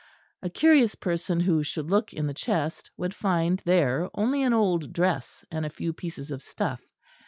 A curious person who should look in the chest would find there only an old dress and a few pieces of stuff.